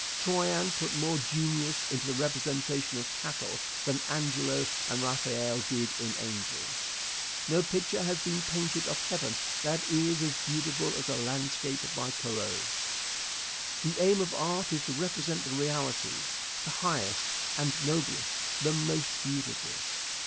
Troyon put more genius in the representation of cattle than Angelo and Raphael did in angels. No picture has been painted of heaven that is as beautiful as a landscape by Corot. The aim of art is to represent the realities, the highest and noblest, the most beautiful.